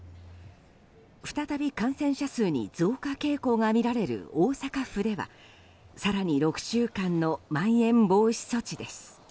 再び感染者数に増加傾向が見られる大阪府では更に６週間のまん延防止措置です。